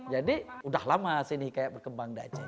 jadi sudah lama seni hikayat berkembang di aceh ini